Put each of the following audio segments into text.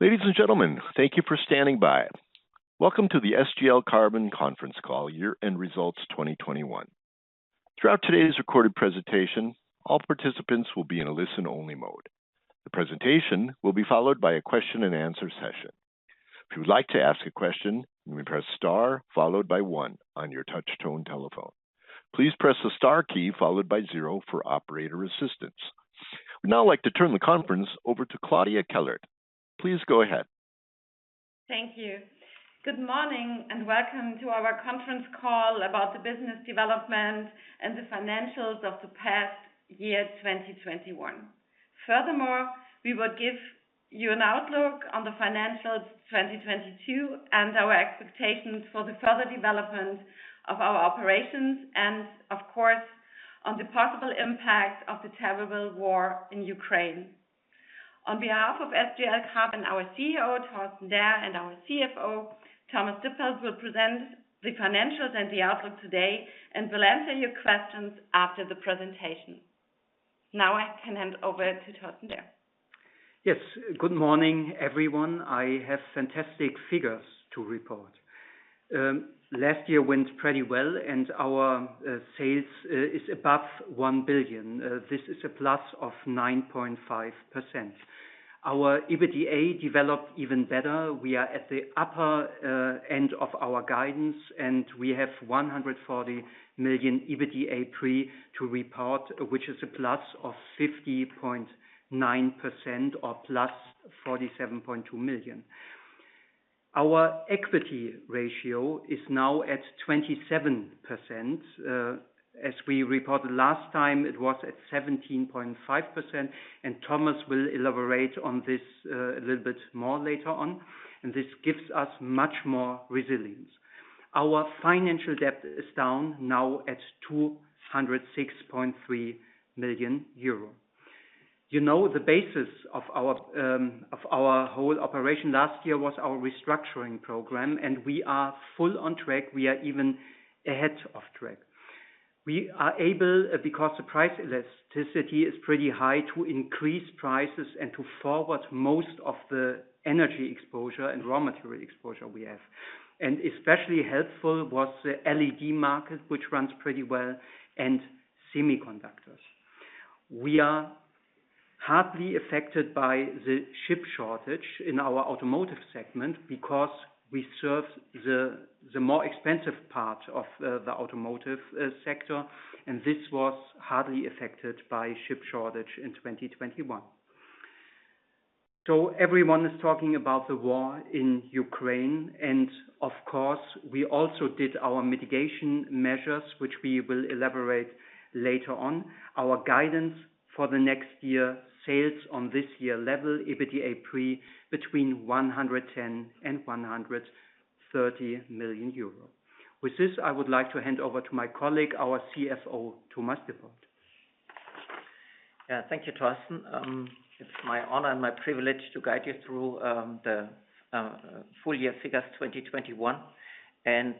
Ladies and gentlemen, thank you for standing by. Welcome to the SGL Carbon conference call, year-end results 2021. Throughout today's recorded presentation, all participants will be in a listen-only mode. The presentation will be followed by a question and answer session. If you would like to ask a question, you may press * followed by one on your touch tone telephone. Please press the * key followed by zero for operator assistance. We'd now like to turn the conference over to Claudia Kellert. Please go ahead. Thank you. Good morning, and welcome to our conference call about the business development and the financials of the past year, 2021. Furthermore, we will give you an outlook on the financials 2022 and our expectations for the further development of our operations and of course, on the possible impact of the terrible war in Ukraine. On behalf of SGL Carbon, our CEO, Torsten Derr, and our CFO, Thomas Dippold will present the financials and the outlook today and will answer your questions after the presentation. Now I can hand over to Torsten Derr. Yes. Good morning, everyone. I have fantastic figures to report. Last year went pretty well, and our sales is above 1 billion. This is a + of 9.5%. Our EBITDA developed even better. We are at the upper end of our guidance, and we have 140 million EBITDA pre to report, which is +50.9% or +47.2 million. Our equity ratio is now at 27%. As we reported last time, it was at 17.5%, and Thomas will elaborate on this a little bit more later on, and this gives us much more resilience. Our financial debt is down now at 206.3 million euro. You know the basis of our whole operation last year was our restructuring program, and we are fully on track. We are even ahead of track. We are able, because the price elasticity is pretty high, to increase prices and to forward most of the energy exposure and raw material exposure we have. Especially helpful was the LED market, which runs pretty well, and semiconductors. We are hardly affected by the chip shortage in our automotive segment because we serve the more expensive part of the automotive sector, and this was hardly affected by chip shortage in 2021. Everyone is talking about the war in Ukraine, and of course, we also did our mitigation measures, which we will elaborate later on. Our guidance for the next year, sales on this year level, EBITDA pre between 110 million and 130 million euro. With this, I would like to hand over to my colleague, our CFO, Thomas Dippold. Yeah. Thank you, Torsten. It's my honor and my privilege to guide you through the full year figures 2021.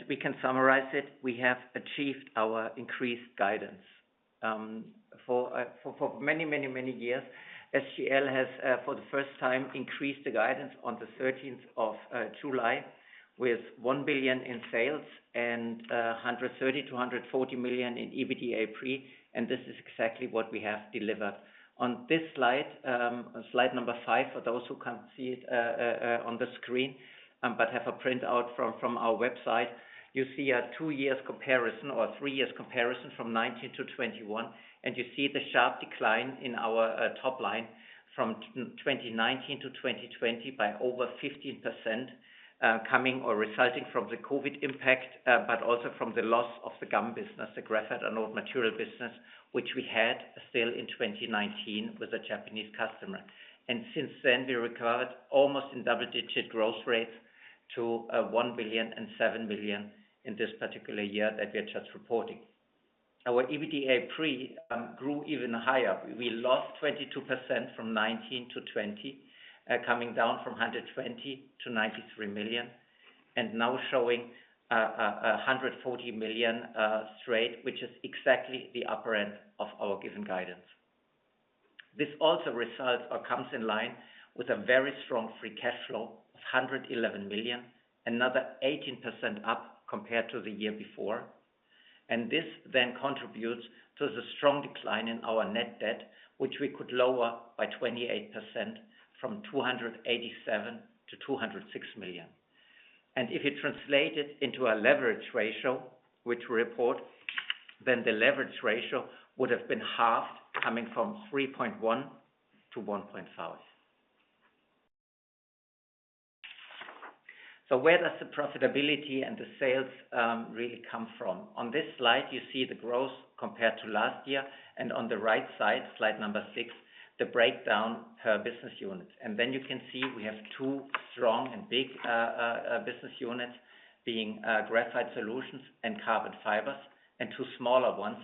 We can summarize it. We have achieved our increased guidance. For many years, SGL has for the first time increased the guidance on the thirteenth of July with 1 billion in sales and 130 million-140 million in EBITDA pre, and this is exactly what we have delivered. On this slide number 5, for those who can't see it, on the screen, but have a printout from our website, you see a two years comparison or a three years comparison from 2019 to 2021, and you see the sharp decline in our top line from 2019 to 2020 by over 15%, coming or resulting from the COVID impact, but also from the loss of the GAM business, the graphite anode material business, which we had still in 2019 with a Japanese customer. Since then, we recovered almost in double-digit growth rates to 1.007 billion in this particular year that we are just reporting. Our EBITDA pre grew even higher. We lost 22% from 2019 to 2020, coming down from 120 million to 93 million, and now showing 140 million straight, which is exactly the upper end of our given guidance. This also results or comes in line with a very strong free cash flow of 111 million, another 18% up compared to the year before. This then contributes to the strong decline in our net debt, which we could lower by 28% from 287 million to 206 million. If you translate it into a leverage ratio, which we report, then the leverage ratio would have been halved, coming from 3.1 to 1.5. Where does the profitability and the sales really come from? On this slide, you see the growth compared to last year, and on the right side, slide number 6, the breakdown per business unit. Then you can see we have two strong and big business units being Graphite Solutions and Carbon Fibers, and two smaller ones.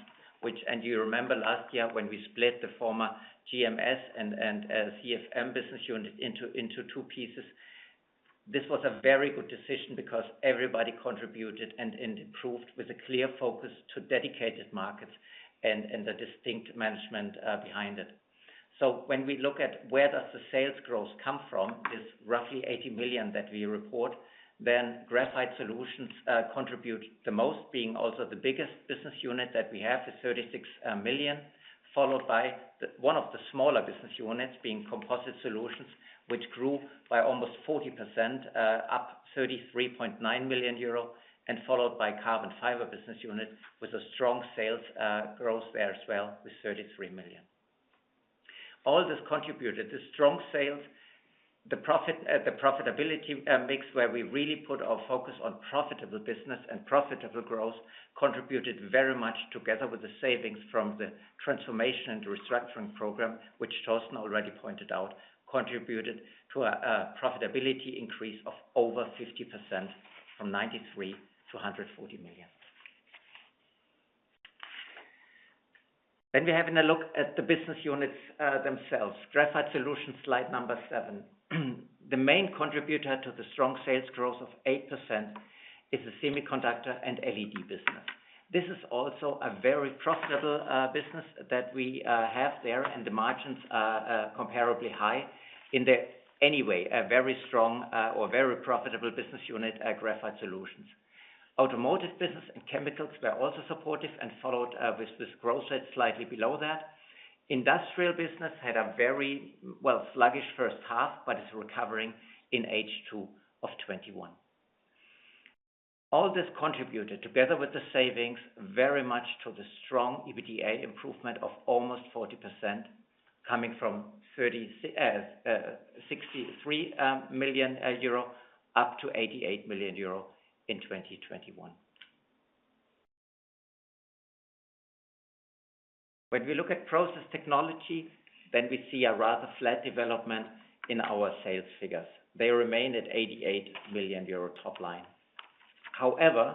You remember last year when we split the former GMS and CFM business unit into two pieces. This was a very good decision because everybody contributed and improved with a clear focus to dedicated markets and the distinct management behind it. When we look at where the sales growth comes from, this roughly 80 million that we report, then Graphite Solutions contribute the most, being also the biggest business unit that we have, is 36 million, followed by one of the smaller business units being Composite Solutions, which grew by almost 40%, up 33.9 million euro, and followed by Carbon Fibers business unit with a strong sales growth there as well, with 33 million. All this contributed to strong sales. The profit, the profitability mix, where we really put our focus on profitable business and profitable growth, contributed very much together with the savings from the transformation and restructuring program, which Torsten already pointed out, contributed to a profitability increase of over 50% from 93 to 140 million. We're having a look at the business units, themselves. Graphite Solutions, slide number seven. The main contributor to the strong sales growth of 8% is the semiconductor and LED business. This is also a very profitable business that we have there, and the margins are comparably high in the, anyway, a very strong or very profitable business unit at Graphite Solutions. Automotive business and chemicals were also supportive and followed with growth rate slightly below that. Industrial business had a very sluggish first half but is recovering in H2 of 2021. All this contributed, together with the savings, very much to the strong EBITDA improvement of almost 40%, coming from 63 million euro up to 88 million euro in 2021. When we look at Process Technology, we see a rather flat development in our sales figures. They remain at 88 million euro top line. However,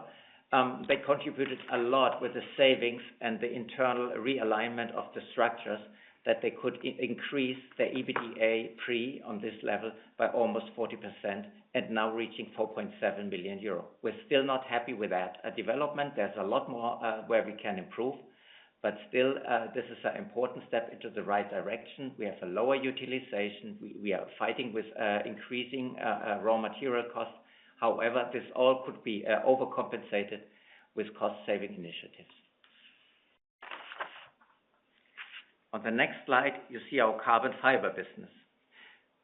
they contributed a lot with the savings and the internal realignment of the structures that they could increase the EBITDA pre on this level by almost 40% and now reaching 4.7 million euro. We're still not happy with that development. There's a lot more where we can improve, but still, this is an important step in the right direction. We have a lower utilization. We are fighting with increasing raw material costs. However, this all could be overcompensated with cost saving initiatives. On the next slide, you see our Carbon Fibers business.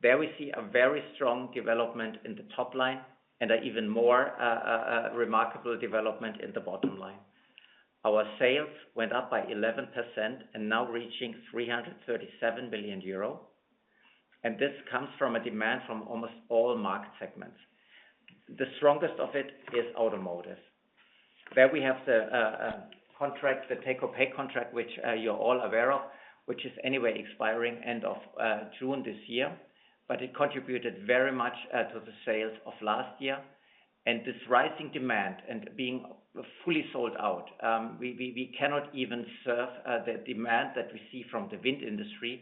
There we see a very strong development in the top line and an even more remarkable development in the bottom line. Our sales went up by 11% and now reaching 337 billion euro, and this comes from a demand from almost all market segments. The strongest of it is automotive. There we have the contract, the take or pay contract, which you're all aware of, which is anyway expiring end of June this year, but it contributed very much to the sales of last year. This rising demand and being fully sold out, we cannot even serve the demand that we see from the wind industry.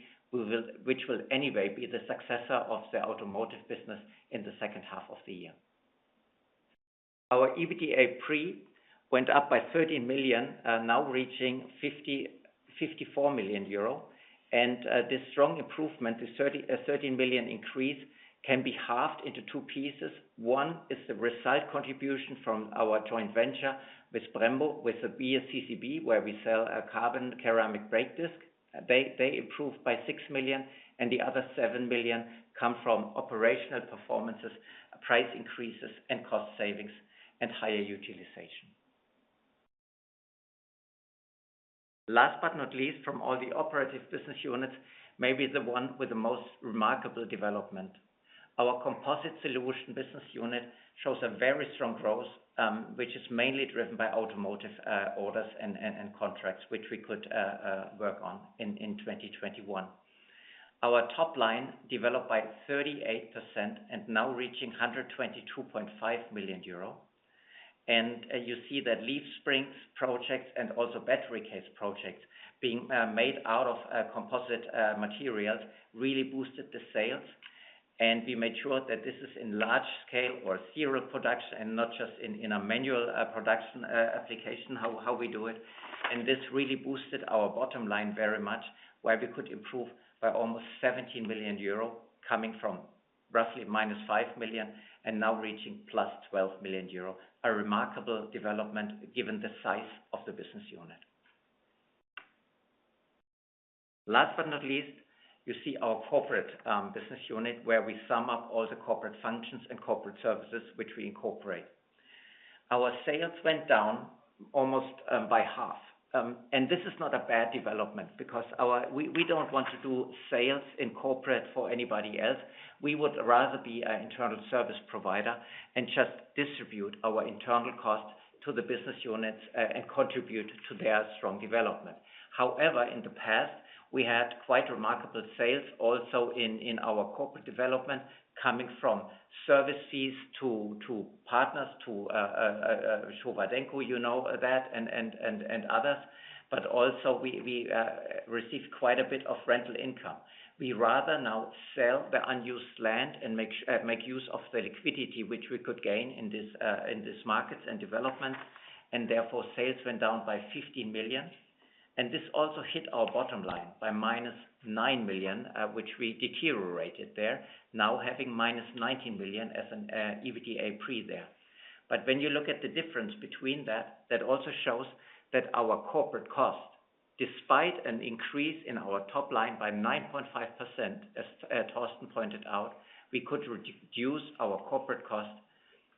Which will anyway be the successor of the automotive business in the second half of the year. Our EBITDA pre went up by 13 million, now reaching 54 million euro. This strong improvement, this 13 million increase, can be halved into two pieces. One is the at-equity contribution from our joint venture with Brembo, with the BSCCB, where we sell carbon ceramic brake disc. They improved by 6 million, and the other 7 million come from operational performances, price increases, and cost savings, and higher utilization. Last but not least, from all the operative business units, maybe the one with the most remarkable development. Our Composite Solutions business unit shows a very strong growth, which is mainly driven by automotive orders and contracts, which we could work on in 2021. Our top line developed by 38% and now reaching 122.5 million euro. You see that leaf springs projects and also battery case projects being made out of composite materials really boosted the sales. We made sure that this is in large scale or serial production and not just in a manual production application, how we do it. This really boosted our bottom line very much, where we could improve by almost 17 million euro coming from roughly -5 million and now reaching +12 million euro. A remarkable development given the size of the business unit. Last but not least, you see our corporate business unit, where we sum up all the corporate functions and corporate services which we incorporate. Our sales went down almost by half. This is not a bad development because we don't want to do sales in corporate for anybody else. We would rather be an internal service provider and just distribute our internal costs to the business units, and contribute to their strong development. However, in the past, we had quite remarkable sales also in our corporate development, coming from services to Showa Denko, you know that, and others. But also we received quite a bit of rental income. We rather now sell the unused land and make use of the liquidity which we could gain in this market and development, and therefore, sales went down by 15 million. This also hit our bottom line by -9 million, which we deteriorated there, now having -19 million as an EBITDA pre there. when you look at the difference between that also shows that our corporate cost, despite an increase in our top line by 9.5%, as Torsten pointed out, we could reduce our corporate cost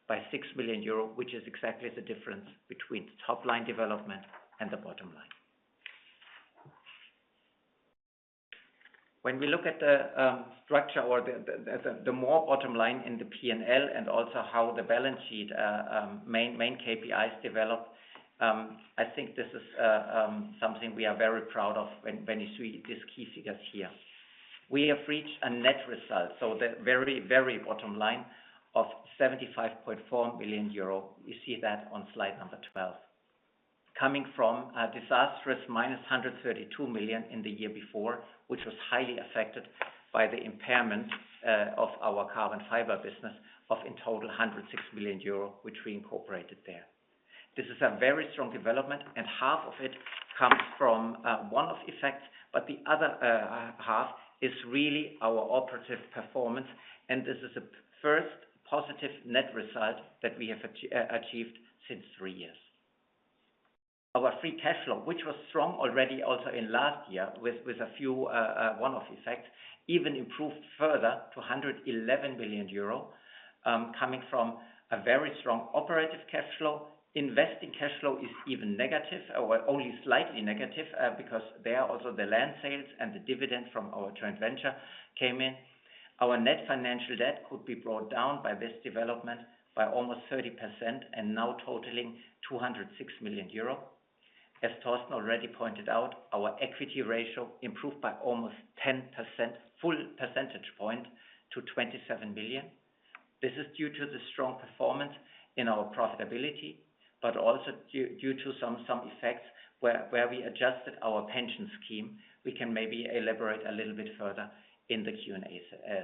by 6 million euro, which is exactly the difference between the top line development and the bottom line. When we look at the structure or the more bottom line in the P&L and also how the balance sheet main KPIs develop, I think this is something we are very proud of when you see these key figures here. We have reached a net result, so the very, very bottom line of 75.4 million euro. You see that on slide number 12. Coming from a disastrous -132 million in the year before, which was highly affected by the impairment of our carbon fiber business of in total 106 million euro, which we incorporated there. This is a very strong development, and half of it comes from one-off effects, but the other half is really our operative performance. This is the first positive net result that we have achieved since three years. Our free cash flow, which was strong already also in last year with a few one-off effects, even improved further to 111 million euro, coming from a very strong operative cash flow. Investing cash flow is even negative or only slightly negative, because there also the land sales and the dividend from our joint venture came in. Our net financial debt could be brought down by this development by almost 30% and now totaling 206 million euro. As Torsten already pointed out, our equity ratio improved by almost 10%, full percentage point to 27%. This is due to the strong performance in our profitability, but also due to some effects where we adjusted our pension scheme. We can maybe elaborate a little bit further in the Q&A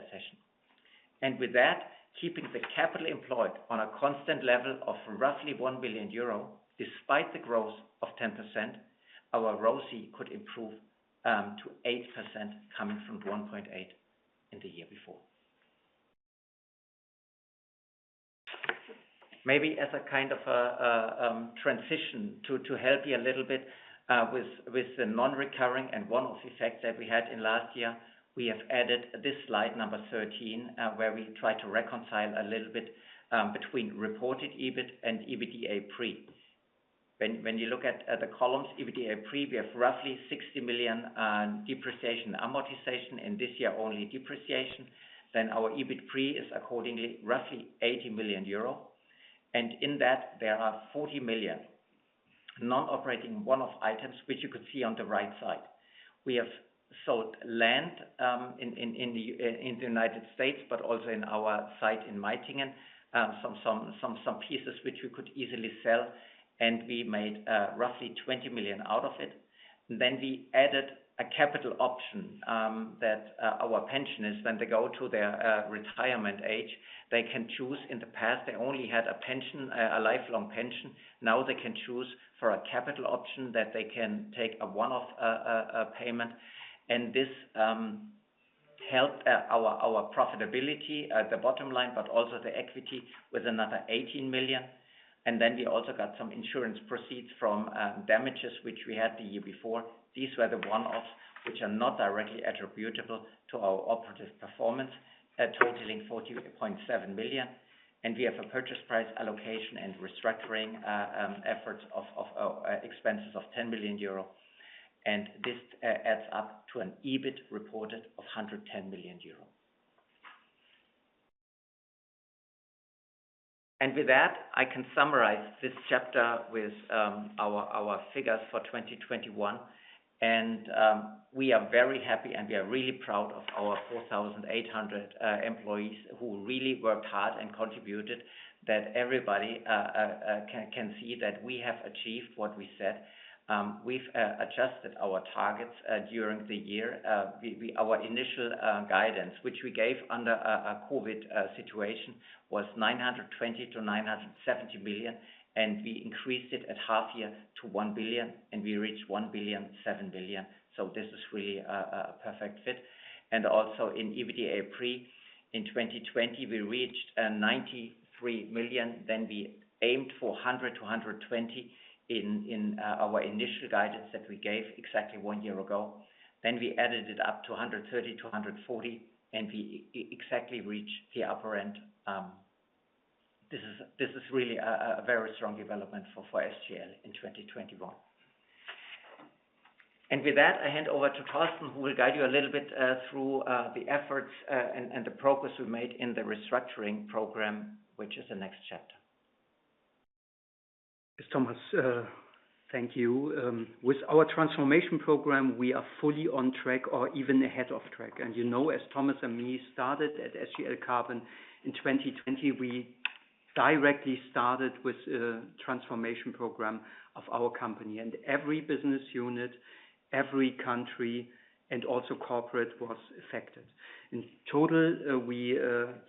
session. With that, keeping the capital employed on a constant level of roughly 1 billion euro despite the growth of 10%, our ROCE could improve to 8% coming from 1.8% in the year before. Maybe as a kind of transition to help you a little bit with the non-recurring and one-off effects that we had in last year, we have added this slide number 13, where we try to reconcile a little bit between reported EBIT and EBITDA pre. When you look at the columns, EBITDA pre, we have roughly 60 million depreciation, amortization, and this year only depreciation. Then our EBIT pre is accordingly roughly 80 million euro. In that, there are 40 million non-operating one-off items, which you could see on the right side. We have sold land in the United States, but also in our site in Meitingen, some pieces which we could easily sell, and we made roughly 20 million out of it. We added a capital option that our pensioners, when they go to their retirement age, they can choose. In the past, they only had a pension, a lifelong pension. Now they can choose for a capital option that they can take a one-off payment. This helped our profitability at the bottom line, but also the equity with another 18 million. We also got some insurance proceeds from damages which we had the year before. These were the one-offs which are not directly attributable to our operative performance, totaling 40.7 million. We have a purchase price allocation and restructuring expenses of 10 million euro. This adds up to an EBIT reported of 110 million euro. With that, I can summarize this chapter with our figures for 2021. We are very happy, and we are really proud of our 4,800 employees who really worked hard and contributed, that everybody can see that we have achieved what we said. We've adjusted our targets during the year. Our initial guidance, which we gave under a COVID situation, was 920 million-970 million, and we increased it at half year to 1 billion, and we reached 1.107 billion. This is really a perfect fit. In EBITDA pre, in 2020, we reached 93 million. We aimed for 100-120 in our initial guidance that we gave exactly one year ago. We added it up to 130-140, and we exactly reached the upper end. This is really a very strong development for SGL in 2021. With that, I hand over to Torsten, who will guide you a little bit through the efforts and the progress we made in the restructuring program, which is the next chapter. Thomas, thank you. With our transformation program, we are fully on track or even ahead of track. You know, as Thomas and me started at SGL Carbon in 2020, we directly started with a transformation program of our company and every business unit, every country, and also corporate was affected. In total, we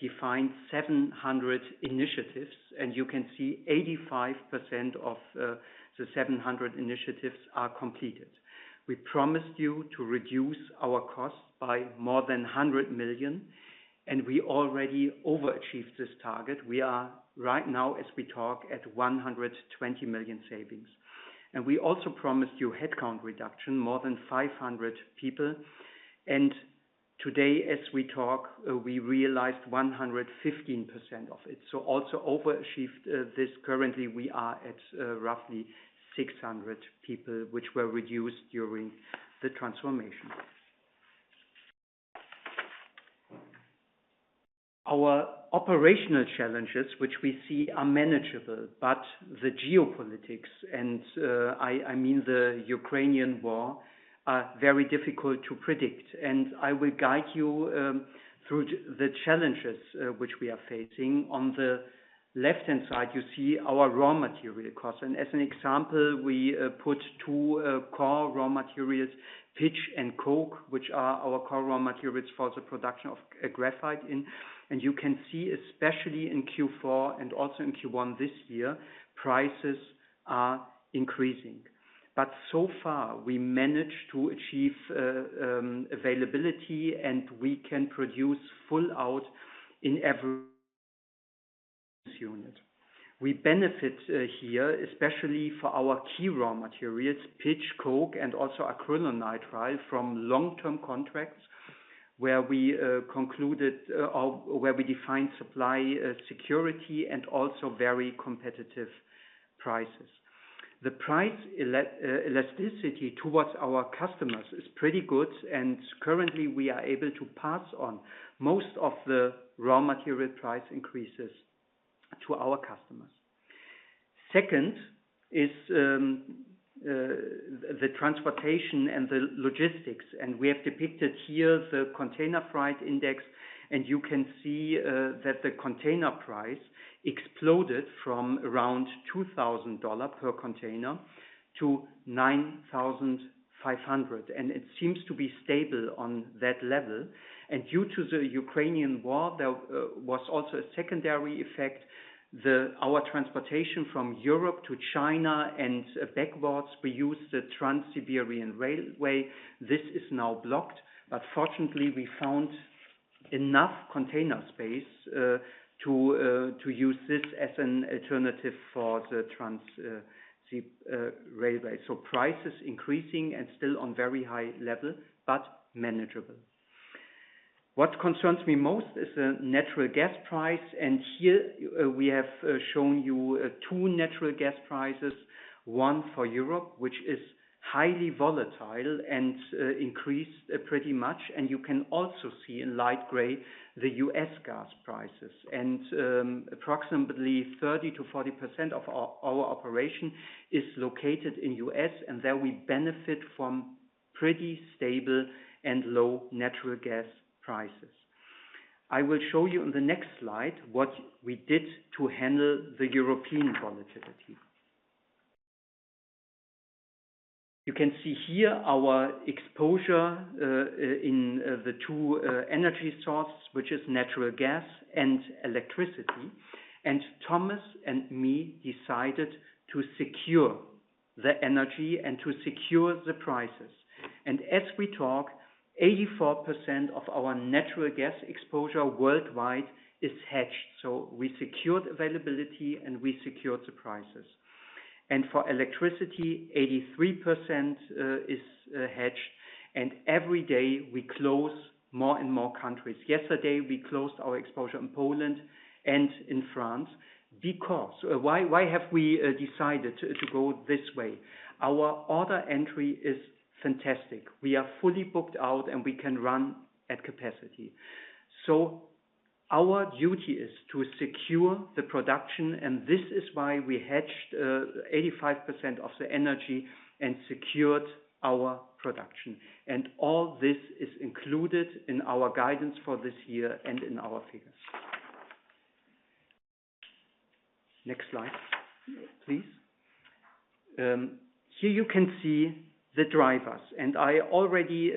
defined 700 initiatives, and you can see 85% of the 700 initiatives are completed. We promised you to reduce our costs by more than 100 million, and we already overachieved this target. We are right now as we talk at 120 million savings. We also promised you headcount reduction, more than 500 people. Today as we talk, we realized 115% of it. Also overachieved this. Currently we are at roughly 600 people, which were reduced during the transformation. Our operational challenges, which we see are manageable, but the geopolitics, and I mean the Ukrainian war, are very difficult to predict. I will guide you through the challenges which we are facing. On the left-hand side, you see our raw material costs. As an example, we put two core raw materials, pitch and coke, which are our core raw materials for the production of graphite in. You can see, especially in Q4 and also in Q1 this year, prices are increasing. But so far, we managed to achieve availability, and we can produce full out in every unit. We benefit here, especially for our key raw materials, pitch, coke, and also acrylonitrile from long-term contracts where we concluded or where we defined supply security and also very competitive prices. The price elasticity towards our customers is pretty good, and currently we are able to pass on most of the raw material price increases to our customers. Second is the transportation and the logistics. We have depicted here the container freight index, and you can see that the container price exploded from around $2,000 per container to $9,500. It seems to be stable on that level. Due to the Ukrainian war, there was also a secondary effect. Our transportation from Europe to China and backwards, we use the Trans-Siberian Railway. This is now blocked, but fortunately we found enough container space to use this as an alternative for the Trans-Siberian Railway. Price is increasing and still on very high level, but manageable. What concerns me most is the natural gas price, and here we have shown you two natural gas prices. One for Europe, which is highly volatile and increased pretty much. You can also see in light gray the U.S., gas prices. Approximately 30%-40% of our operation is located in U.S., and there we benefit from pretty stable and low natural gas prices. I will show you in the next slide what we did to handle the European volatility. You can see here our exposure in the two energy sources, which is natural gas and electricity. Thomas and me decided to secure the energy and to secure the prices. As we talk, 84% of our natural gas exposure worldwide is hedged. We secured availability, and we secured the prices. For electricity, 83% is hedged, and every day we close more and more countries. Yesterday, we closed our exposure in Poland and in France. Because we have decided to go this way? Our order entry is fantastic. We are fully booked out, and we can run at capacity. Our duty is to secure the production, and this is why we hedged 85% of the energy and secured our production. All this is included in our guidance for this year and in our figures. Next slide, please. Here you can see the drivers, and I already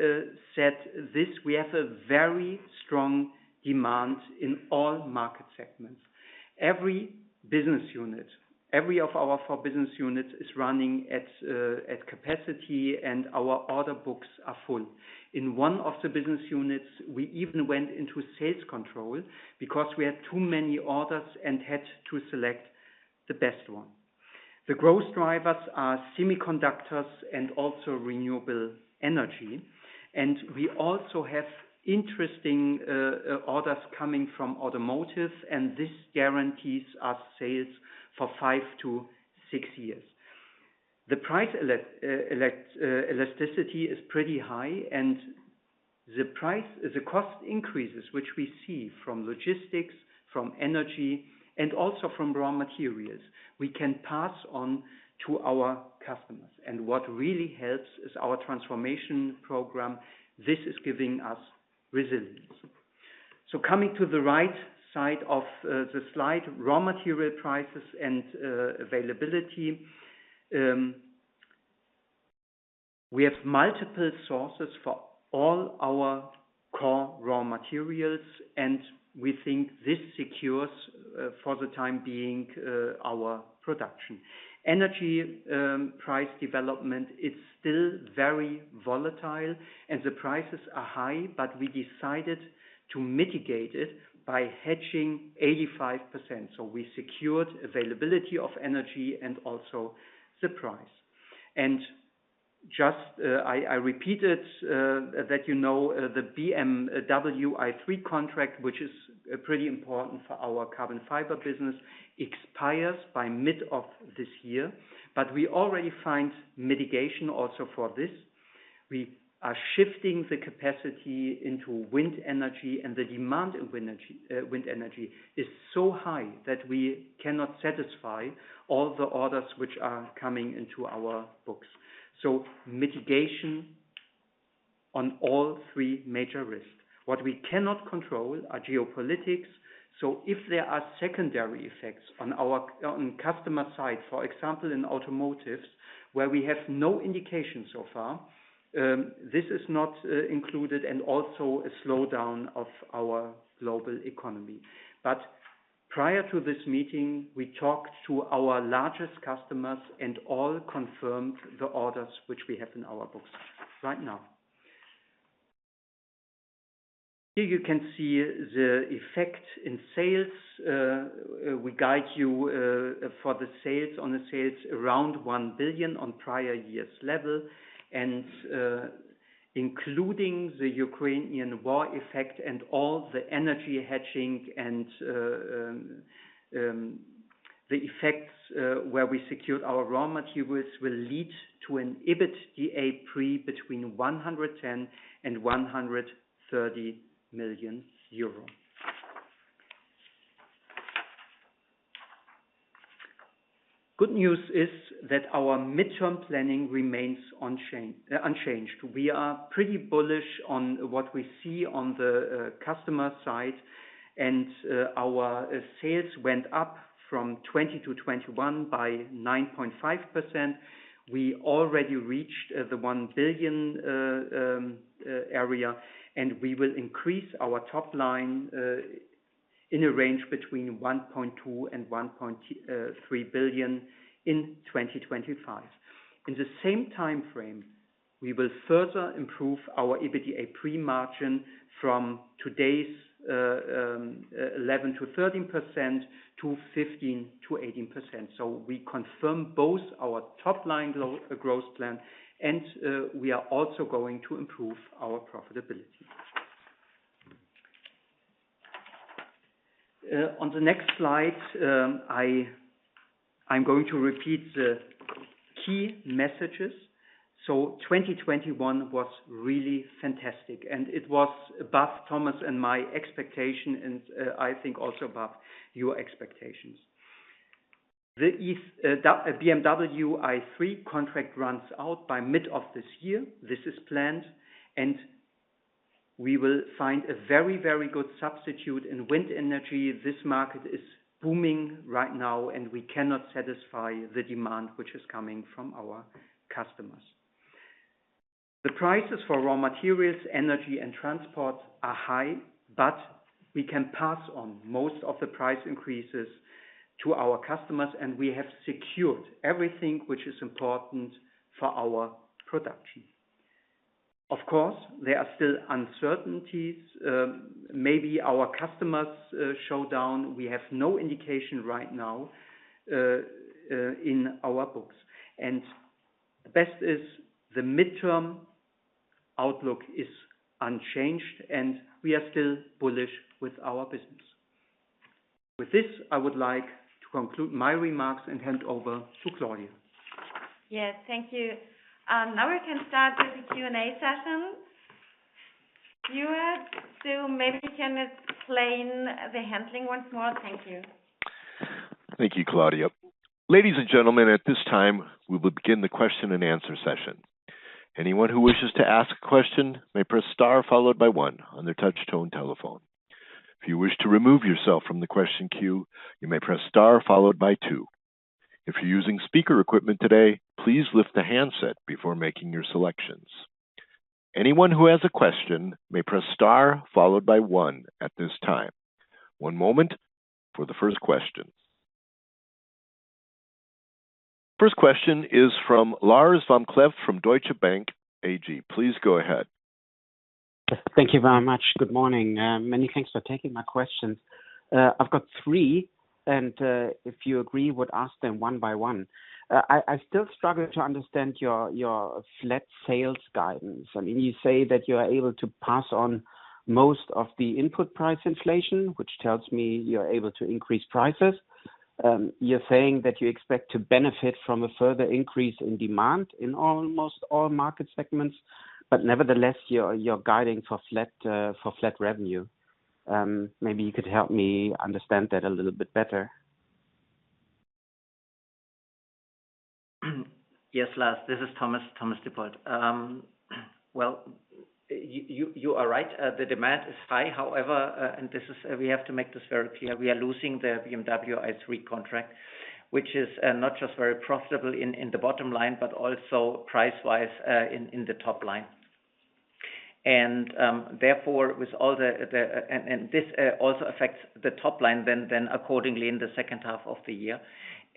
said this. We have a very strong demand in all market segments. Every business unit, every one of our four business units is running at capacity, and our order books are full. In one of the business units, we even went into sales control because we had too many orders and had to select the best one. The growth drivers are semiconductors and also renewable energy. We also have interesting orders coming from automotive, and this guarantees us sales for five to six years. The price elasticity is pretty high, and the cost increases, which we see from logistics, from energy, and also from raw materials, we can pass on to our customers. What really helps is our transformation program. This is giving us resilience. Coming to the right side of the slide, raw material prices and availability. We have multiple sources for all our core raw materials, and we think this secures for the time being our production. Energy price development is still very volatile and the prices are high, but we decided to mitigate it by hedging 85%. We secured availability of energy and also the price. Just, I repeat it, that you know, the BMW i3 contract, which is pretty important for our carbon fiber business, expires by mid of this year, but we already find mitigation also for this. We are shifting the capacity into wind energy, and the demand of wind energy is so high that we cannot satisfy all the orders which are coming into our books. Mitigation on all three major risks. What we cannot control are geopolitics. If there are secondary effects on our customer side, for example, in automotives, where we have no indication so far, this is not included and also a slowdown of our global economy. Prior to this meeting, we talked to our largest customers, and all confirmed the orders which we have in our books right now. Here you can see the effect in sales. We guide you for the sales around 1 billion on prior years level and including the Ukrainian war effect and all the energy hedging and the effects where we secured our raw materials will lead to an EBITDA pre between 110 million and 130 million euros. Good news is that our midterm planning remains unchanged. We are pretty bullish on what we see on the customer side. Our sales went up from 2020 to 2021 by 9.5%. We already reached the 1 billion area, and we will increase our top line in a range between 1.2 billion and 1.3 billion in 2025. In the same timeframe, we will further improve our EBITDA pre-margin from today's 11%-13% to 15%-18%. We confirm both our top line growth plan and we are also going to improve our profitability. On the next slide, I'm going to repeat the key messages. 2021 was really fantastic, and it was above Thomas and my expectation, and I think also above your expectations. The BMW i3 contract runs out by mid of this year. This is planned, and we will find a very, very good substitute in wind energy. This market is booming right now, and we cannot satisfy the demand which is coming from our customers. The prices for raw materials, energy, and transport are high, but we can pass on most of the price increases to our customers, and we have secured everything which is important for our production. Of course, there are still uncertainties. Maybe our customers slow down. We have no indication right now in our books. The best is the medium-term outlook is unchanged, and we are still bullish with our business. With this, I would like to conclude my remarks and hand over to Claudia. Yes. Thank you. Now we can start with the Q&A session. Stuart, maybe you can explain the handling once more. Thank you. Thank you, Claudia. Ladies and gentlemen, at this time, we will begin the question and answer session. Anyone who wishes to ask a question may press * followed by one on their touch tone telephone. If you wish to remove yourself from the question queue, you may press * followed by two. If you're using speaker equipment today, please lift the handset before making your selections. Anyone who has a question may press * followed by one at this time. One moment for the first question. First question is from Lars vom Cleff from Deutsche Bank AG. Please go ahead. Thank you very much. Good morning. Many thanks for taking my questions. I've got three, and if you agree, I would ask them one by one. I still struggle to understand your flat sales guidance. I mean, you say that you are able to pass on most of the input price inflation, which tells me you're able to increase prices. You're saying that you expect to benefit from a further increase in demand in almost all market segments, but nevertheless, you're guiding for flat revenue. Maybe you could help me understand that a little bit better. Yes, Lars, this is Thomas Dippold. Well, you are right. The demand is high, however. We have to make this very clear. We are losing the BMW i3 contract, which is not just very profitable in the bottom line, but also price-wise in the top line. Therefore, this also affects the top line accordingly in the second half of the year.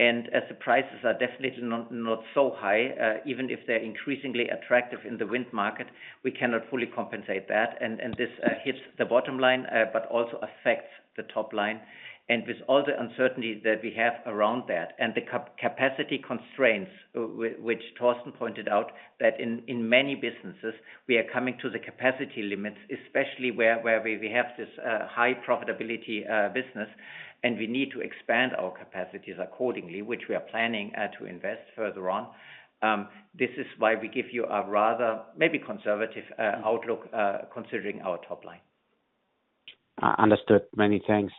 As the prices are definitely not so high, even if they're increasingly attractive in the wind market, we cannot fully compensate that. This hits the bottom line, but also affects the top line. With all the uncertainty that we have around that and the capacity constraints which Torsten pointed out, that in many businesses we are coming to the capacity limits, especially where we have this high profitability business, and we need to expand our capacities accordingly, which we are planning to invest further on. This is why we give you a rather maybe conservative outlook, considering our top line. Understood. Many thanks.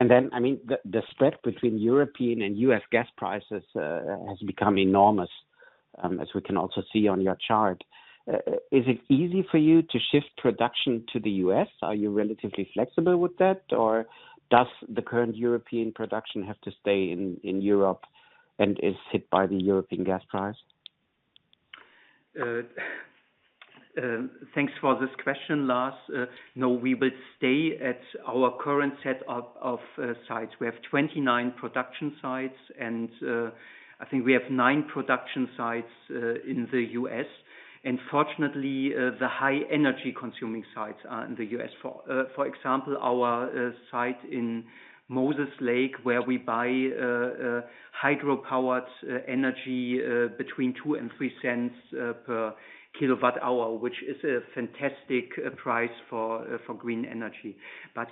I mean, the spread between European and U.S., gas prices has become enormous, as we can also see on your chart. Is it easy for you to shift production to the U.S.? Are you relatively flexible with that, or does the current European production have to stay in Europe and is hit by the European gas price? Thanks for this question, Lars. No, we will stay at our current set of sites. We have 29 production sites, and I think we have nine production sites in the U.S. Fortunately, the high energy consuming sites are in the U.S. For example, our site in Moses Lake, where we buy hydropower energy between $0.02 and $0.03 per kWh, which is a fantastic price for green energy.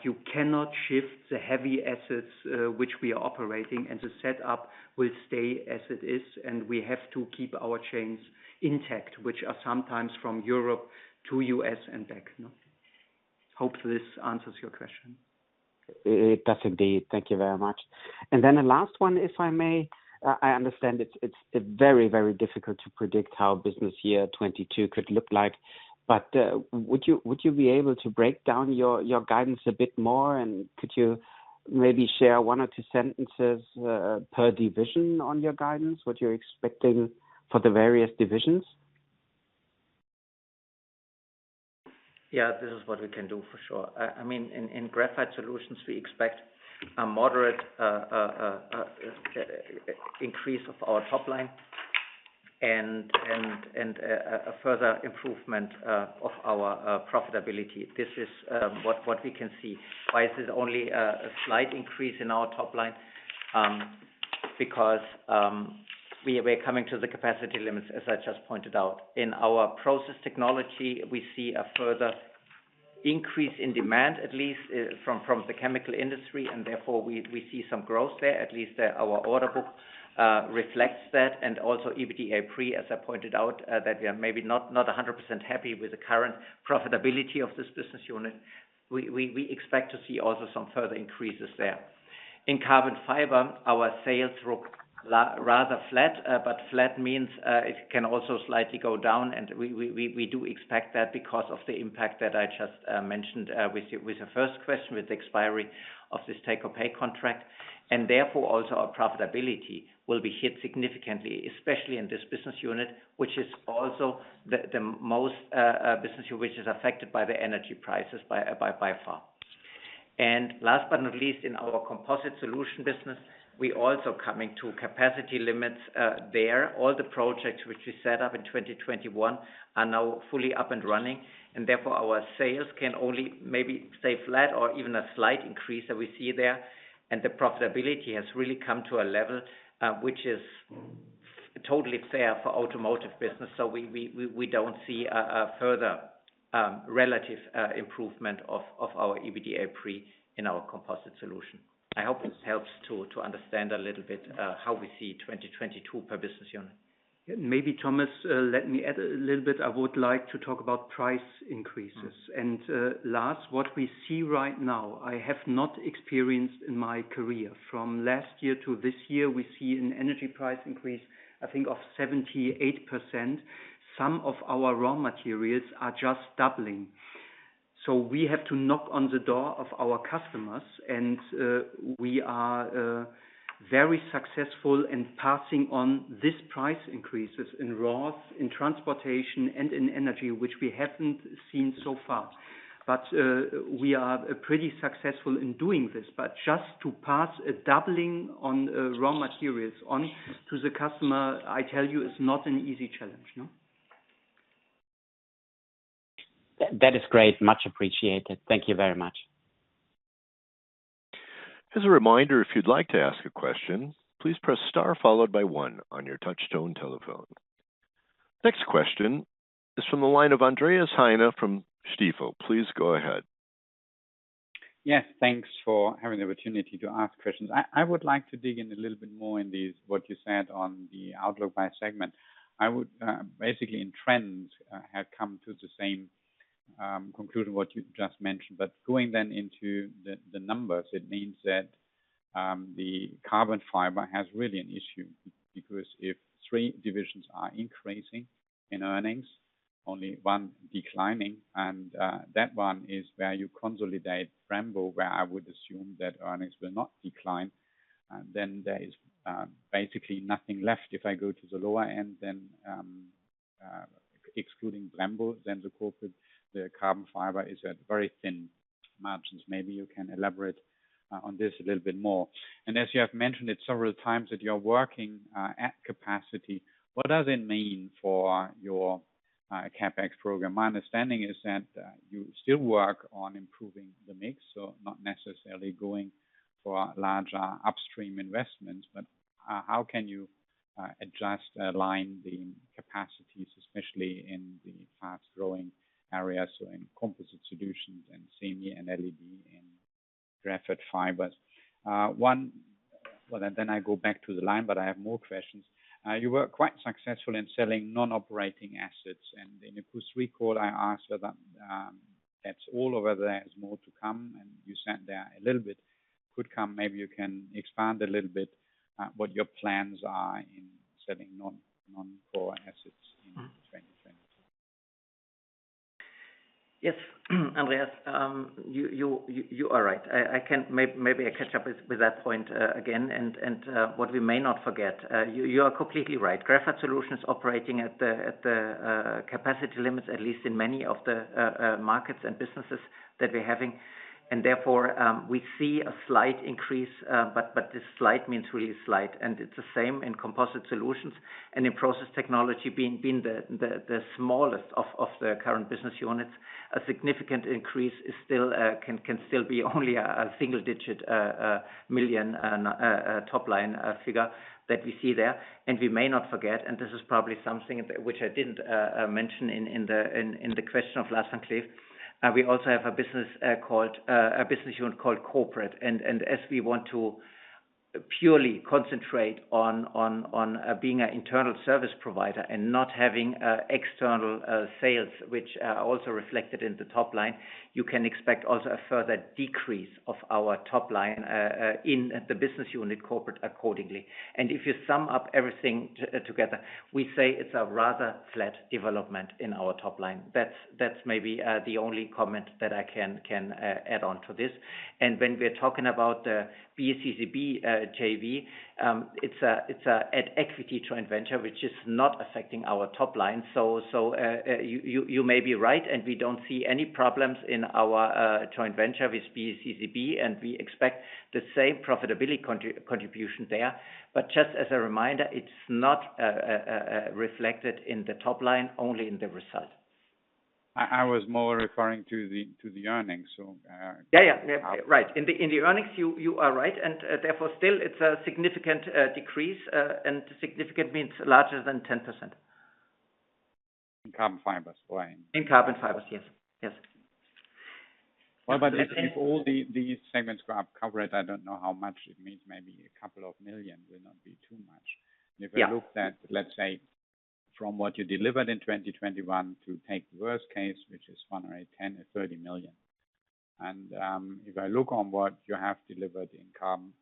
You cannot shift the heavy assets which we are operating, and the setup will stay as it is, and we have to keep our chains intact, which are sometimes from Europe to U.S., and back, you know. Hope this answers your question. It does indeed. Thank you very much. A last one, if I may. I understand it's very difficult to predict how business year 2022 could look like, but would you be able to break down your guidance a bit more? Could you maybe share one or two sentences per division on your guidance, what you're expecting for the various divisions? Yeah. This is what we can do for sure. I mean, in Graphite Solutions, we expect a moderate increase of our top line and a further improvement of our profitability. This is what we can see. Why is this only a slight increase in our top line? Because we are coming to the capacity limits, as I just pointed out. In our Process Technology, we see a further increase in demand, at least from the chemical industry, and therefore we see some growth there. At least our order book reflects that. Also EBITDA pre, as I pointed out, that we are maybe not 100% happy with the current profitability of this business unit. We expect to see also some further increases there. In Carbon Fibers, our sales look rather flat, but flat means it can also slightly go down. We do expect that because of the impact that I just mentioned with the first question, with the expiry of this take or pay contract, and therefore also our profitability will be hit significantly, especially in this business unit, which is also the most affected business unit which is affected by the energy prices by far. Last but not least, in our Composite Solutions business, we also coming to capacity limits there. All the projects which we set up in 2021 are now fully up and running, and therefore our sales can only maybe stay flat or even a slight increase that we see there. The profitability has really come to a level which is totally fair for automotive business. We don't see a further relative improvement of our EBITDA pre in our Composite Solutions. I hope this helps to understand a little bit how we see 2022 per business unit. Maybe Thomas, let me add a little bit. I would like to talk about price increases. Lars, what we see right now, I have not experienced in my career. From last year to this year, we see an energy price increase, I think, of 78%. Some of our raw materials are just doubling. We have to knock on the door of our customers, and we are very successful in passing on this price increases in raws, in transportation and in energy, which we haven't seen so far. We are pretty successful in doing this. Just to pass a doubling on, raw materials on to the customer, I tell you, is not an easy challenge, no. That is great. Much appreciated. Thank you very much. As a reminder, if you'd like to ask a question, please press * followed by one on your touch tone telephone. Next question is from the line of Andreas Heine from Stifel. Please go ahead. Yes, thanks for having the opportunity to ask questions. I would like to dig in a little bit more in this, what you said on the outlook by segment. I would basically in trends have come to the same conclusion what you just mentioned, but going then into the numbers, it means that the Carbon Fiber has really an issue. Because if three divisions are increasing in earnings, only one declining, and that one is where you consolidate Brembo, where I would assume that earnings will not decline, then there is basically nothing left. If I go to the lower end then, excluding Brembo, then the Carbon Fiber is at very thin margins. Maybe you can elaborate on this a little bit more. As you have mentioned it several times that you're working at capacity, what does it mean for your CapEx program? My understanding is that you still work on improving the mix, so not necessarily going for larger upstream investments. How can you adjust, align the capacities, especially in the fast-growing areas, so in Composite Solutions and semi and LED and Carbon Fibers? Then I go back to the line, but I have more questions. You were quite successful in selling non-operating assets. In the Q3 call, I asked about that's all or whether there is more to come, and you said that a little bit could come. Maybe you can expand a little bit what your plans are in selling non-core assets in 2022. Yes. Andreas, you are right. I can maybe catch up with that point again. What we may not forget, you are completely right. Graphite Solutions operating at the capacity limits, at least in many of the markets and businesses that we're having. Therefore, we see a slight increase, but this slight means really slight. It's the same in Composite Solutions and in Process Technology, being the smallest of the current business units. A significant increase is still can still be only a single digit million top line figure that we see there. We may not forget, and this is probably something which I didn't mention in the question of Lars vom Cleff. We also have a business unit called Corporate. As we want to purely concentrate on being an internal service provider and not having external sales, which are also reflected in the top line, you can expect also a further decrease of our top line in the business unit Corporate accordingly. If you sum up everything together, we say it's a rather flat development in our top line. That's maybe the only comment that I can add on to this. When we're talking about the PCCB JV, it's an equity joint venture which is not affecting our top line. You may be right, and we don't see any problems in our joint venture with PCCB, and we expect the same profitability contribution there. Just as a reminder, it's not reflected in the top line, only in the results. I was more referring to the earnings, so Yeah, yeah. Right. In the earnings, you are right. Therefore, still it's a significant decrease. Significant means larger than 10%. In Carbon Fibers line. In Carbon Fibers. Yes. Yes. Well, if all the segments were covered, I don't know how much it means. Maybe a couple of million EUR will not be too much. Yeah. If you look at, let's say, from what you delivered in 2021 to take the worst case, which is 1 or 10 or 30 million. If I look on what you have delivered in Carbon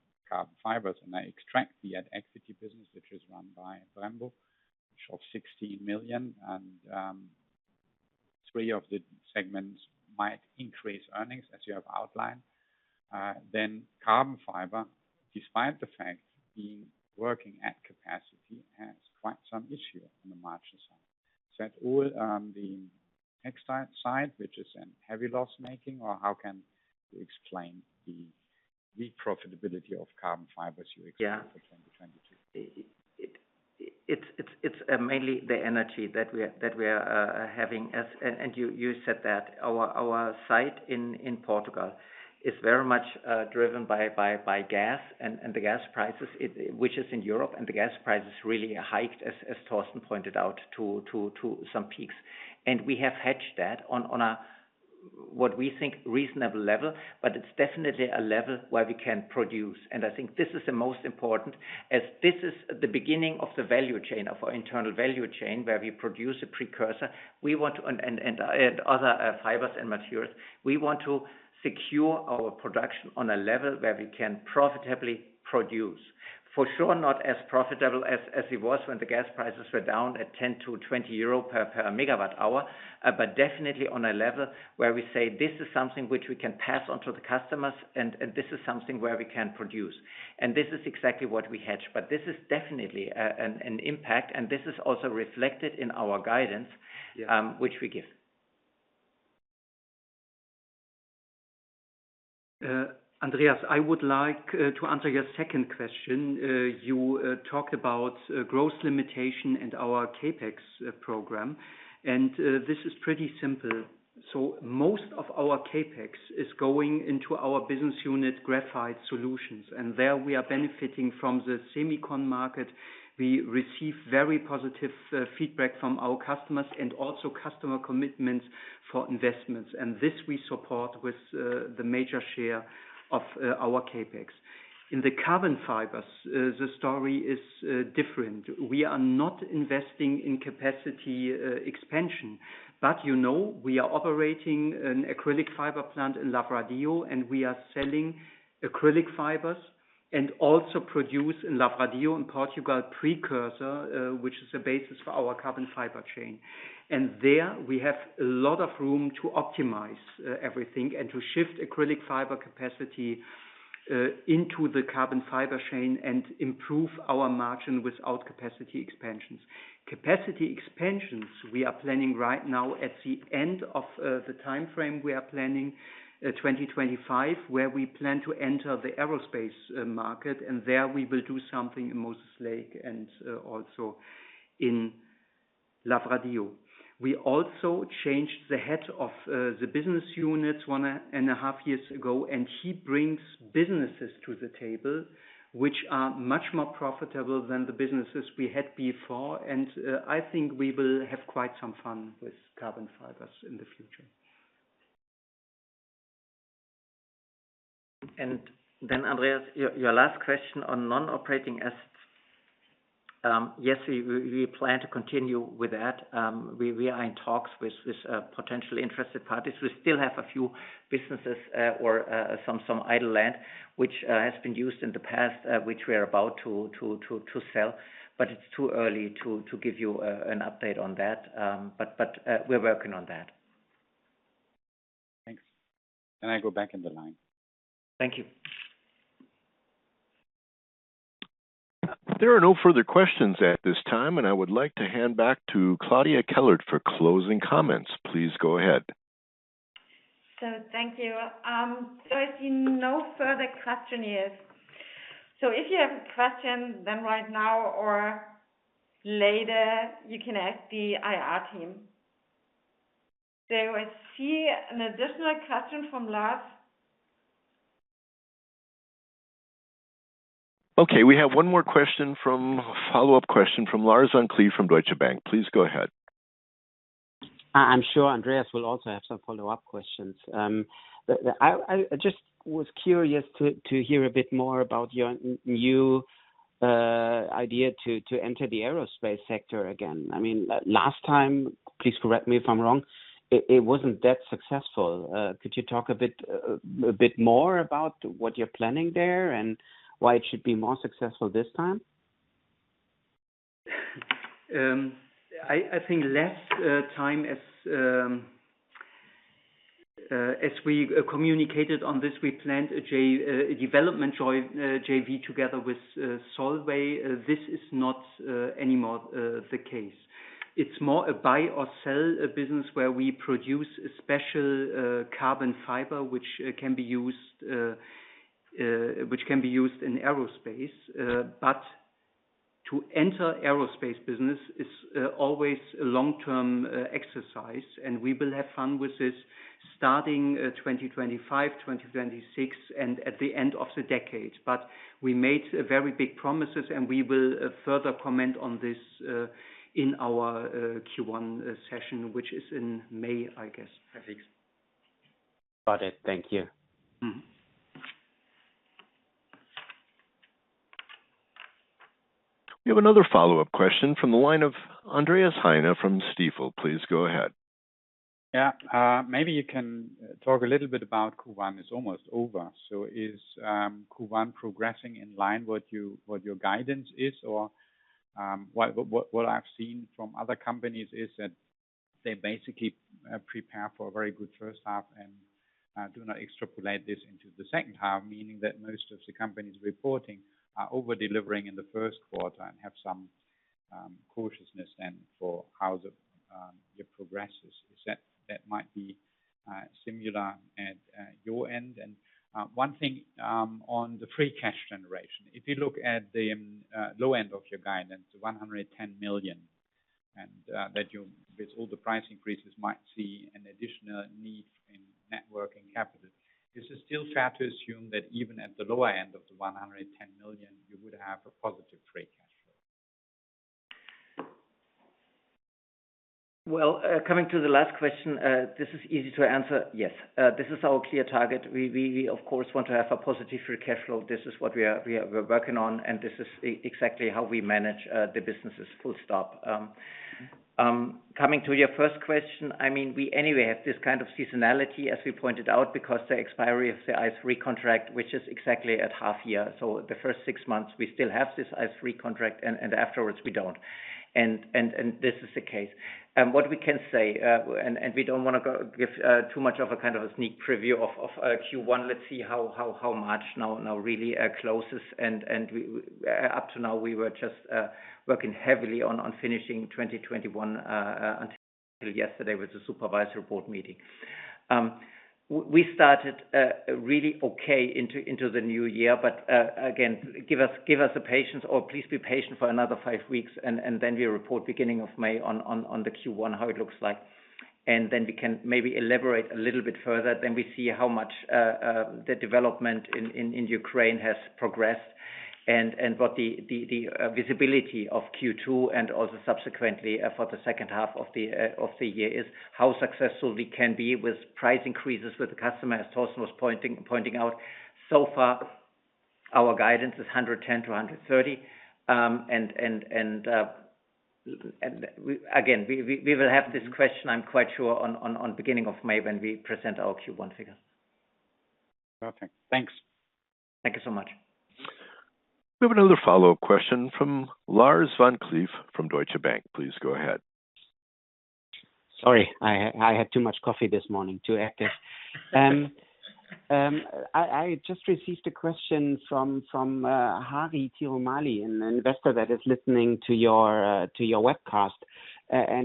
Fibers, and I extract the at-equity business, which is run by Brembo, which is 60 million and three of the segments might increase earnings as you have outlined. Then Carbon Fibers, despite the fact being working at capacity, has quite some issue on the margin side. Is that all on the textile side, which is in heavy loss-making? Or how can you explain the weak profitability of Carbon Fibers you expect for 2022? It's mainly the energy that we are having. You said that our site in Portugal is very much driven by gas and the gas prices, which is in Europe, and the gas price is really hiked, as Torsten pointed out, to some peaks. We have hedged that on a what we think reasonable level, but it's definitely a level where we can produce. I think this is the most important, as this is the beginning of the value chain of our internal value chain, where we produce a precursor and other fibers and materials. We want to secure our production on a level where we can profitably produce. For sure, not as profitable as it was when the gas prices were down at 10-20 euro per MWh. Definitely on a level where we say, this is something which we can pass on to the customers, and this is something where we can produce. This is exactly what we hedge. This is definitely an impact, and this is also reflected in our guidance. Yeah. which we give. Andreas, I would like to answer your second question. You talked about growth limitation and our CapEx program, and this is pretty simple. Most of our CapEx is going into our business unit, Graphite Solutions, and there we are benefiting from the semicon market. We receive very positive feedback from our customers and also customer commitments for investments. And this we support with the major share of our CapEx. In the Carbon Fibers, the story is different. We are not investing in capacity expansion. You know, we are operating an acrylic fiber plant in Lavradio, and we are selling acrylic fibers and also produce in Lavradio in Portugal precursor, which is the basis for our carbon fiber chain. There we have a lot of room to optimize everything and to shift acrylic fiber capacity into the carbon fiber chain and improve our margin without capacity expansions. Capacity expansions we are planning right now at the end of the time frame we are planning 2025, where we plan to enter the aerospace market, and there we will do something in Moses Lake and also in Lavradio. We also changed the head of the business unit one and a half years ago, and he brings businesses to the table which are much more profitable than the businesses we had before. I think we will have quite some fun with carbon fibers in the future. Then, Andreas, your last question on non-operating assets. Yes, we plan to continue with that. We are in talks with potential interested parties. We still have a few businesses or some idle land which has been used in the past which we are about to sell. It's too early to give you an update on that. We're working on that. Thanks. I go back in the line. Thank you. There are no further questions at this time, and I would like to hand back to Claudia Kellert for closing comments. Please go ahead. Thank you. I see no further question here. If you have a question, then right now or later you can ask the IR team. I see an additional question from Lars. Okay, we have one more question, follow-up question from Lars vom Cleff from Deutsche Bank. Please go ahead. I'm sure Andreas will also have some follow-up questions. I just was curious to hear a bit more about your new idea to enter the aerospace sector again. I mean, last time, please correct me if I'm wrong, it wasn't that successful. Could you talk a bit more about what you're planning there and why it should be more successful this time? I think last time as we communicated on this, we planned a development JV together with Solvay. This is not anymore the case. It's more a buy or sell business where we produce a special carbon fiber which can be used in aerospace. To enter aerospace business is always a long-term exercise, and we will have fun with this starting 2025, 2026, and at the end of the decade. We made very big promises, and we will further comment on this in our Q1 session, which is in May, I guess. Got it. Thank you. Mm-hmm. We have another follow-up question from the line of Andreas Heine from Stifel. Please go ahead. Yeah. Maybe you can talk a little bit about Q1. It's almost over. So is Q1 progressing in line with what your guidance is? Or, what I've seen from other companies is that they basically prepare for a very good first half and do not extrapolate this into the second half, meaning that most of the companies reporting are over-delivering in the first quarter and have some cautiousness then for how it progresses. Is that might be similar at your end? One thing on the free cash generation. If you look at the low end of your guidance, 110 million, and that, with all the price increases, might see an additional need in net working capital. Is it still fair to assume that even at the lower end of the 110 million, you would have a positive free cash flow? Well, coming to the last question, this is easy to answer. Yes. This is our clear target. We of course want to have a positive free cash flow. This is what we're working on, and this is exactly how we manage the businesses full stop. Coming to your first question, I mean, we anyway have this kind of seasonality, as we pointed out, because the expiry of the i3 contract, which is exactly at half year. So the first six months we still have this i3 contract and afterwards we don't. This is the case. What we can say, and we don't wanna give too much of a kind of a sneak preview of Q1. Let's see how much now really closes. Up to now, we were just working heavily on finishing 2021 until yesterday with the supervisory board meeting. We started really okay into the new year. Again, give us the patience or please be patient for another five weeks, and then we report beginning of May on the Q1 how it looks like. Then we can maybe elaborate a little bit further. We see how much the development in Ukraine has progressed. What the visibility of Q2 and also subsequently for the second half of the year is how successful we can be with price increases with the customer, as Torsten was pointing out. So far, our guidance is 110-130. And again we will have this question, I'm quite sure at the beginning of May when we present our Q1 figures. Perfect. Thanks. Thank you so much. We have another follow-up question from Lars vom Cleff from Deutsche Bank. Please go ahead. Sorry, I had too much coffee this morning to act this. I just received a question from Harvey T. O'Malley, an investor that is listening to your webcast.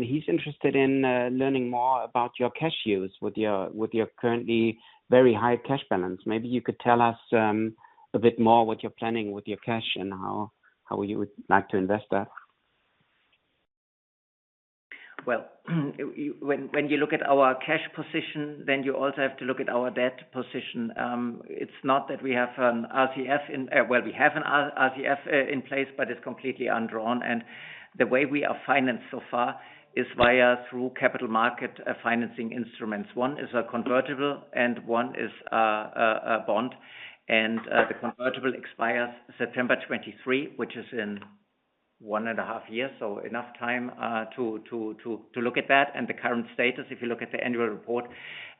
He's interested in learning more about your cash use with your currently very high cash balance. Maybe you could tell us a bit more what you're planning with your cash and how you would like to invest that. Well, when you look at our cash position, then you also have to look at our debt position. It's not that we have an RCF in place, but it's completely undrawn. The way we are financed so far is through capital market financing instruments. One is a convertible and one is a bond. The convertible expires September 2023, which is in one and a half years, so enough time to look at that. The current status, if you look at the annual report,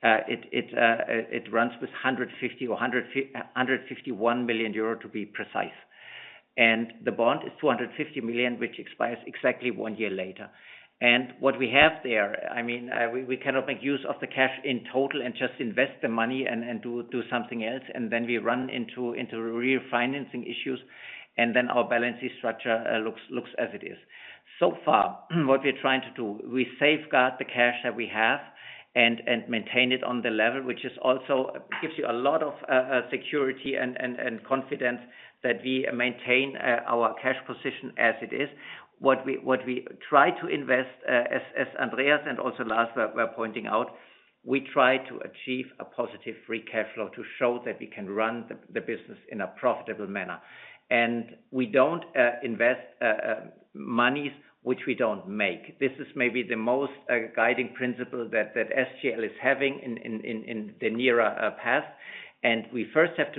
it runs with 150 or 151 million euro to be precise. The bond is 250 million, which expires exactly one year later. What we have there, I mean, we cannot make use of the cash in total and just invest the money and do something else. We run into refinancing issues, and our balance sheet structure looks as it is. So far, what we're trying to do, we safeguard the cash that we have and maintain it on the level, which is also gives you a lot of security and confidence that we maintain our cash position as it is. What we try to invest, as Andreas and also Lars were pointing out, we try to achieve a positive free cash flow to show that we can run the business in a profitable manner. We don't invest monies which we don't make. This is maybe the most guiding principle that SGL is having in the nearer path. We first have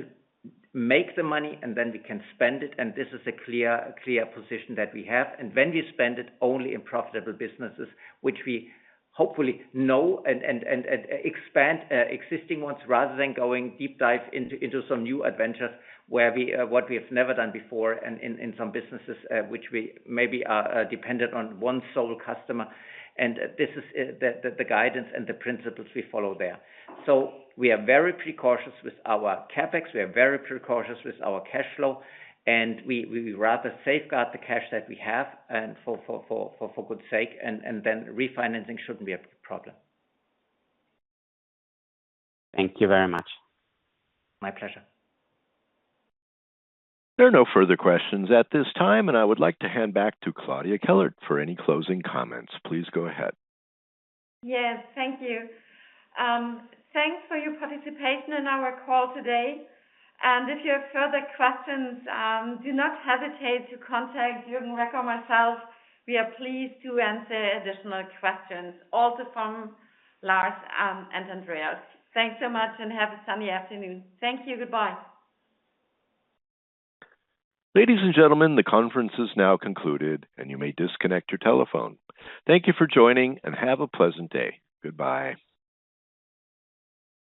to make the money and then we can spend it. This is a clear position that we have. When we spend it only in profitable businesses, which we hopefully know and expand existing ones rather than going deep dive into some new adventures where we have never done before and in some businesses which we maybe are dependent on one sole customer. This is the guidance and the principles we follow there. We are very cautious with our CapEx. We are very cautious with our cash flow, and we rather safeguard the cash that we have and for goodness' sake, and then refinancing shouldn't be a problem. Thank you very much. My pleasure. There are no further questions at this time, and I would like to hand back to Claudia Kellert for any closing comments. Please go ahead. Yes, thank you. Thanks for your participation in our call today. If you have further questions, do not hesitate to contact Jürgen Reck or myself. We are pleased to answer additional questions also from Lars and Andreas. Thanks so much and have a sunny afternoon. Thank you. Goodbye. Ladies and gentlemen, the conference is now concluded and you may disconnect your telephone. Thank you for joining, and have a pleasant day. Goodbye.